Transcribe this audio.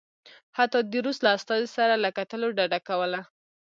حتی د روس له استازي سره له کتلو ډډه کوله.